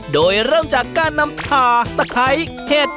โดยเริ่มจากการนำผ่าตะไคร้เห็ด